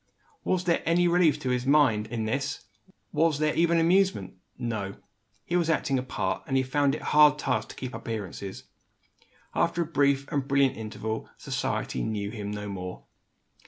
Was there any relief to his mind in this? was there even amusement? No; he was acting a part, and he found it a hard task to keep up appearances. After a brief and brilliant interval, society knew him no more.